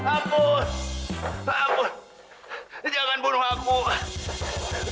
ampun jangan bunuh aku